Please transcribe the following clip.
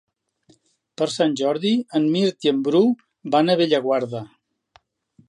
Per Sant Jordi en Mirt i en Bru van a Bellaguarda.